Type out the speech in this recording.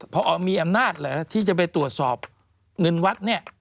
พอมีอำนาจเหรอที่จะไปตรวจสอบเงินวัดเนี่ย